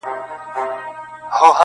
د وخت خدايان که چي زر ځلې په کافر وبولي,